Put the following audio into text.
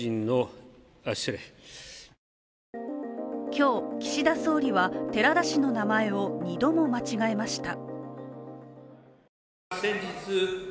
今日、岸田総理は寺田氏の名前を２度も間違えました。